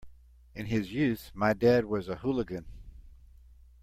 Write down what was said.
In his youth my dad was a hooligan.